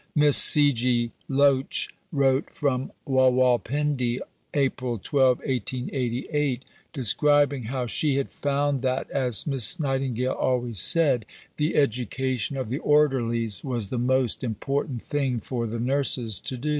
Miss C. G. Loch wrote from Rawalpindi (April 12, 1888) describing how she had found that, as Miss Nightingale always said, the education of the Orderlies was the most important thing for the nurses to do.